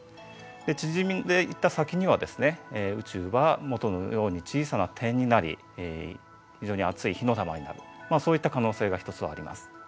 で縮んでいった先にはですね宇宙は元のように小さな点になり非常に熱い火の玉になるそういった可能性が一つはあります。